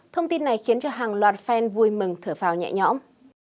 thông tin này khiến hàng loạt fan vui mừng thở vào nhẹ nhõm